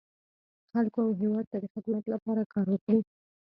خلکو او هېواد ته د خدمت لپاره کار وکړي.